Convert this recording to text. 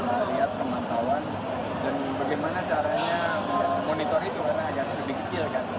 jadi tim melihat kemantauan dan bagaimana caranya monitor itu karena agak lebih kecil kan